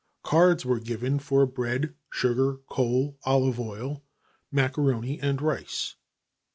Cards were given for bread, sugar, coal, olive oil, macaroni and rice.